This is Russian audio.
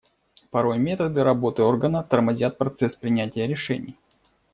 Порой методы работы органа тормозят процесс принятия решений.